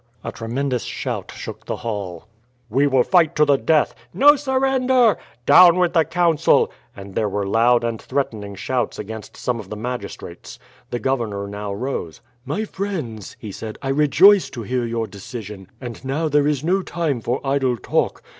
A tremendous shout shook the hall. "We will fight to the death! No surrender! Down with the council!" and there were loud and threatening shouts against some of the magistrates. The governor now rose: "My friends," he said, "I rejoice to hear your decision; and now there is no time for idle talk.